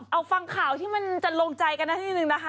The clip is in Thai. เอาฟังข่าวที่มันจะลงใจกันสักนิดนึงนะคะ